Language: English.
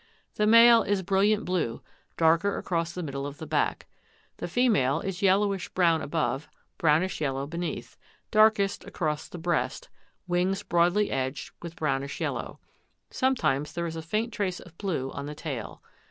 The male is brilliant blue, darker across the middle of the back. The female is yellowish brown above, brownish yellow beneath, darkest across the breast, wings broadly edged with brownish yellow. Sometimes there is a faint trace of blue on the tail.